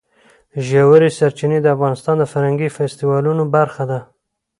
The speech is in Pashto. ژورې سرچینې د افغانستان د فرهنګي فستیوالونو برخه ده.